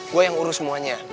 gua yang urus semuanya